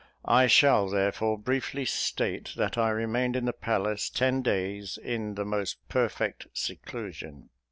I shall, therefore, briefly state, that I remained in the palace ten days, in the most perfect seclusion.